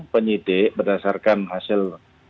penyidik berdasarkan hasil